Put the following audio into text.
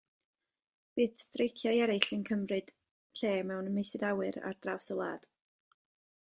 Bydd streiciau eraill yn cymryd lle mewn meysydd awyr ar draws y wlad.